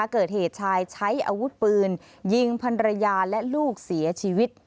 เกิดเหตุชายใช้อาวุธปืนยิงพันรยาและลูกเสียชีวิต